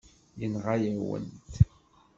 Yenɣa-yawen-t.